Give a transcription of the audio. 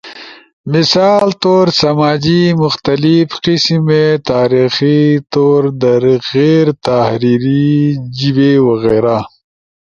[مثال طور سماجی، مختلف قسمے تاریخی طور در غیر تحریری جیبے وغیرہ]